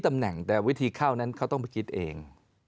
แต่วิธีเข้านั้นเขาต้องไปคิดเอง